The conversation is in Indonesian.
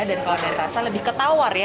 dan kalau dari rasa lebih ketawar ya